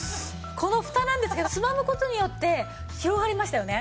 このフタなんですけどつまむ事によって広がりましたよね。